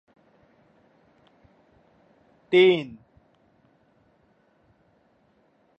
এক সাগর রক্তের বিনিময়ে অর্জিত স্বাধীনতা তো বাংলার স্বাধীনতা।